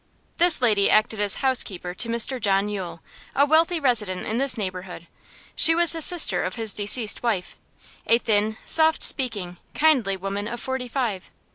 This lady acted as housekeeper to Mr John Yule, a wealthy resident in this neighbourhood; she was the sister of his deceased wife a thin, soft speaking, kindly woman of forty five.